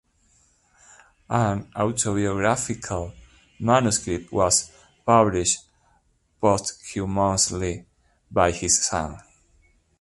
An autobiographical manuscript was published posthumously by his son.